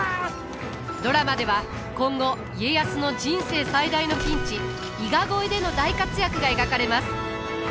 ドラマでは今後家康の人生最大のピンチ伊賀越えでの大活躍が描かれます。